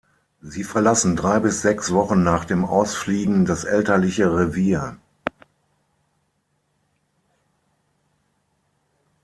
Sie verlassen drei bis sechs Wochen nach dem Ausfliegen das elterliche Revier.